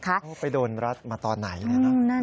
เขาไปโดนรัดมาตอนไหนนะครับ